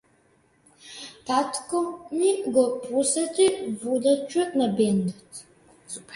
Татко ми го посети водачот на бендот.